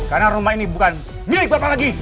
karena rumah ini bukan milik bapak lagi